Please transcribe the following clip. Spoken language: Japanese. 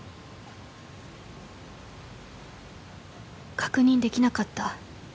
「確認できなかった」